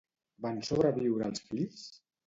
Van sobreviure els fills?